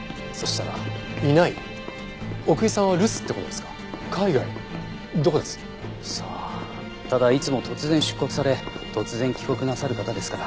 ただいつも突然出国され突然帰国なさる方ですから。